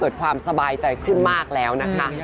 ความสบายใจขึ้นมากแล้วนะคะ